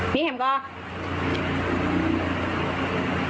มีแห่งก่อน